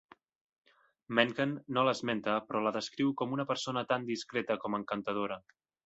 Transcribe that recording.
Mencken no l'esmenta però la descriu com una persona tan discreta com encantadora.